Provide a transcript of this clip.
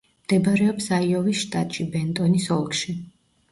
მდებარეობს აიოვის შტატში, ბენტონის ოლქში.